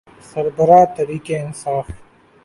سربراہ تحریک انصاف۔